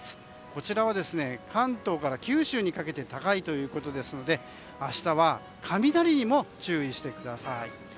こちらは関東から九州にかけて高いということですので明日は雷にも注意してください。